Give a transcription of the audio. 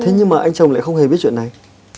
thế nhưng mà anh chồng lại không hề biết chuyện này